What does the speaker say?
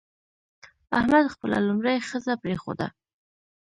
احمد خپله لومړۍ ښځه پرېښوده.